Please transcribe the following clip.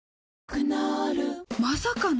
クノールまさかの！？